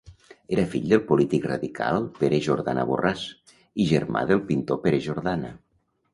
Era fill del polític radical Pere Jordana Borràs, i germà del pintor Pere Jordana.